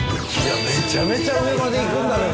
・めちゃめちゃ上まで行くんだね